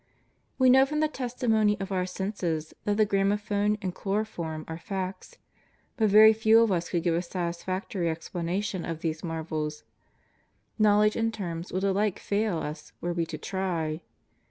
We know from the testimony of our senses that the gramophone and chloroform are facts. But very few of us could give a satisfactory explanation of these marvels ; knowledge and terms would alike fail us were we to try.